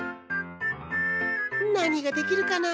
なにができるかな？